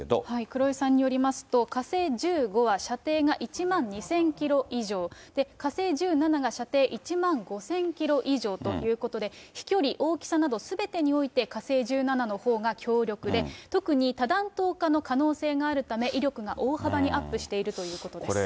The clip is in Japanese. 黒井さんによりますと、火星１５は射程が１万２０００キロ以上、火星１７が射程１万５０００キロ以上ということで、飛距離、大きさなどすべてにおいて、火星１７のほうが強力で特に多弾頭化の可能性があるため、威力が大幅にアップしているということです。